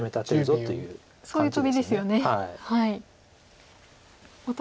そういうトビですよね。